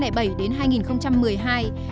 trong năm thứ hai